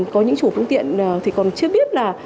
có những chủ phương tiện thì còn chưa biết là